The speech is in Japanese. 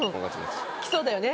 きそうだよね。